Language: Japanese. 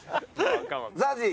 ＺＡＺＹ。